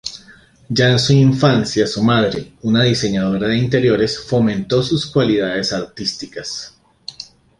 Ya en su infancia su madre, una diseñadora de interiores, fomentó sus cualidades artísticas.